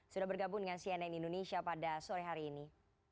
sudah bergabung dengan cnn indonesia pada sore hari ini